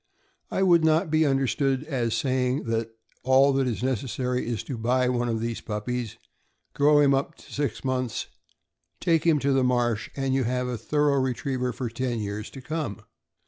I would not be understood as saying that all that is necessary is to buy one of these puppies, grow him up to six months, take him to the marsh, and you have a thorough retriever for ten years to come.